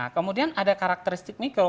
kemudian ada karakteristik mikro